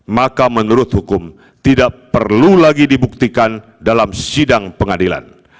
maka menurut hukum tidak perlu lagi dibuktikan dalam sidang pengadilan